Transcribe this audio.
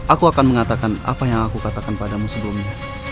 aku akan mengatakan apa yang aku katakan padamu sebelumnya